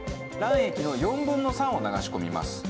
卵液の４分の３を流し込みます。